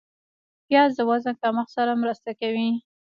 پیاز د وزن کمښت سره مرسته کوي